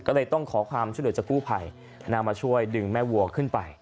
ก็เลยต้องขอความช่วยเหลือจากกู้ภัยนำมาช่วยดึงแม่วัวขึ้นไป